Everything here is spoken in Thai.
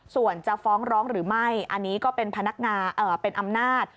ส่วนจะฟ้องร้องหรือไม่อันนี้ก็เป็นอำนาจ